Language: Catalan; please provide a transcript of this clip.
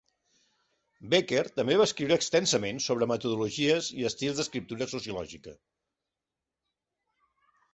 Becker també va escriure extensament sobre metodologies i estils d'escriptura sociològica.